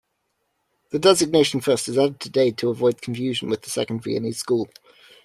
The designation "first" is added today to avoid confusion with the Second Viennese School.